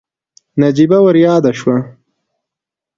نجيبه ورياده شوه.